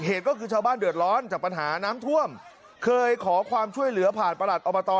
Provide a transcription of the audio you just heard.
เหตุก็คือชาวบ้านเดือดร้อนจากปัญหาน้ำท่วมเคยขอความช่วยเหลือผ่านประหลัดอบต